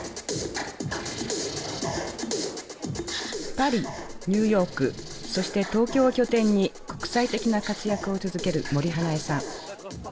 パリニューヨークそして東京を拠点に国際的な活躍を続ける森英恵さん。